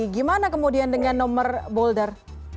gimana kemudian dengan nomor boulder